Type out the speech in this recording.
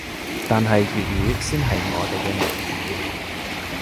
但係粵語先係我哋嘅母語